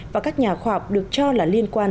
và các nhà khoa học được cho là liên quan